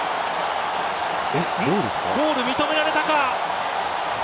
ゴールが認められたか。